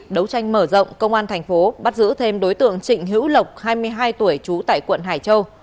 đấu tranh mở rộng công an thành phố bắt giữ thêm đối tượng trịnh hữu lộc hai mươi hai tuổi trú tại quận hải châu